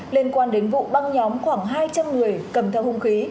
liên quan đến vụ băng nhóm khoảng hai trăm linh người cầm theo hung khí